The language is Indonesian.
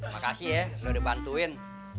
makasih ya lo udah bantuin